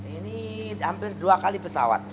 ini hampir dua kali pesawat